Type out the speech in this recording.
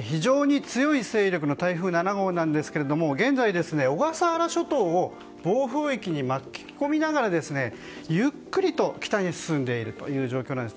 非常に強い勢力の台風７号なんですが現在、小笠原諸島を暴風域に巻き込みながらゆっくりと北に進んでいる状況です。